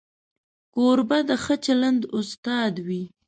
کوربه د ښه چلند استاد وي.